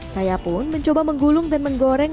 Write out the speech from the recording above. saya pun mencoba menggulung dan menggoreng